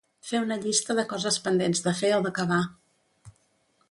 Fer una llista de coses pendents de fer o d’acabar.